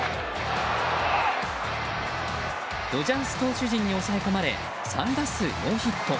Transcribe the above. ドジャース投手陣に抑え込まれ３打数ノーヒット。